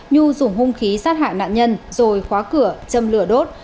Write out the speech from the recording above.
nhu dùng hung khí sát hại nạn nhân rồi khóa cửa châm lửa đốt